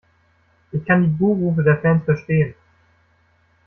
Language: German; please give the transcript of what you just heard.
Ich kann die Buh-Rufe der Fans verstehen.